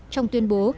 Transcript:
trong tuyên bố